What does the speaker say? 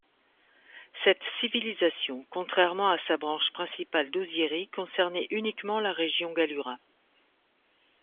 Cette civilisation, contrairement à sa branche principale d'Ozieri concernait uniquement la région Gallura.